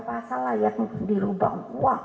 pasal lah yang dirubah wah